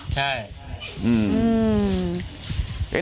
ใช่